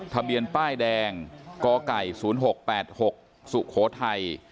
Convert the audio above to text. ทะเบียนป้ายแดงกไก่๐๖๘๖สุโขทัย